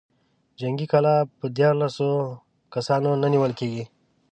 جنګي کلا په ديارلسو سوو کسانو نه نېول کېږي.